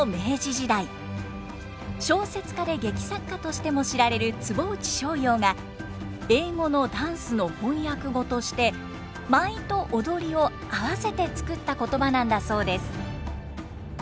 小説家で劇作家としても知られる坪内逍遙が英語のＤａｎｃｅの翻訳語として舞と踊りを合わせて作った言葉なんだそうです。